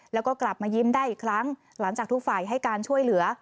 แล้วก็กลับมายิ้มได้อีกครั้งหลังจากทุกฝ่ายให้การช่วยเหลือ